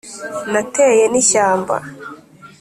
nateye n’ishyamba